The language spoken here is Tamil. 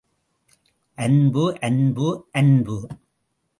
அன்பு, அன்பு, அன்பு!